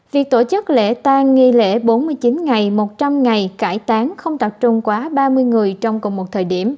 việc tổ chức lễ tan nghi lễ bốn mươi chín ngày một trăm linh ngày cải tán không tập trung quá ba mươi người trong cùng một thời điểm